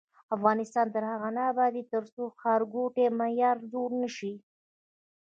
افغانستان تر هغو نه ابادیږي، ترڅو ښارګوټي معیاري جوړ نشي.